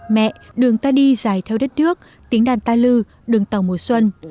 mẹ đường ta đi dài theo đất nước tiếng đàn ta lư đường tàu mùa xuân